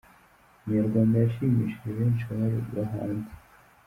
umunyarwanda yashimishije benshi baba hanze